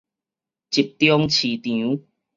集中市場